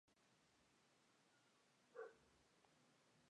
Gary nunca fue acusado por este crimen.